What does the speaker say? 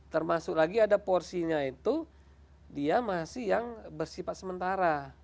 termasuk lagi ada porsinya itu dia masih yang bersifat sementara